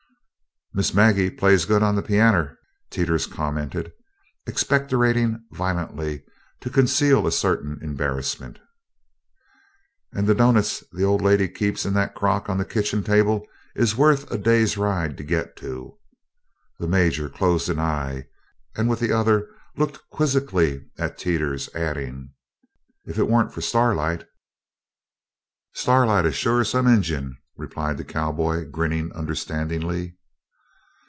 "Miss Maggie plays good on the pianner," Teeters commented, expectorating violently to conceal a certain embarrassment. "And the doughnuts the old lady keeps in that crock on the kitchen table is worth a day's ride to git to." The Major closed an eye and with the other looked quizzically at Teeters, adding, "If it wa'nt for Starlight " "Starlight is shore some Injun," replied the cowboy, grinning understandingly.